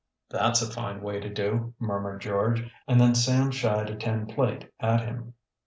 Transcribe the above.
"That's a fine way to do," murmured George, and then Sam shied a tin plate at him.